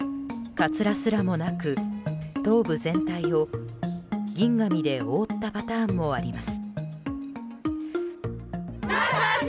カツラすらもなく頭部全体を銀紙で覆ったパターンもあります。